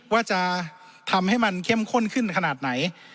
ว่าจะทำให้มันเข้มข้นขึ้นขนาดไหน